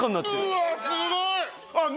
うわすごい！